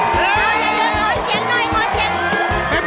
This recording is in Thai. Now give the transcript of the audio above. เป็ดนะคะว่า